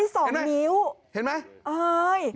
ช้าที่๒นิ้วเห็นไหม